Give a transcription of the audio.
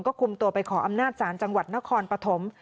ก็คุมตัวไปขออำนาจศาลจังหวัดนครปฐม